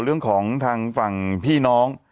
เรื่องของทางฝั่งพี่น้อง